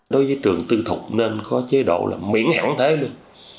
đối với trường tư thục nên có chế độ là miễn hẳn thế luôn